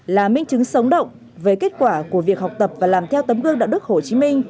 là minh chứng sống động về kết quả của việc học tập và làm theo tấm gương đạo đức hồ chí minh